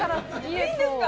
いいんですか？